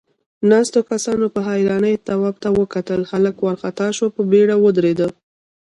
ناستو کسانوپه حيرانۍ تواب ته وکتل، هلک وارخطا شو، په بيړه ودرېد.